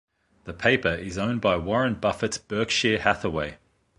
The paper is owned by Warren Buffett's Berkshire Hathaway.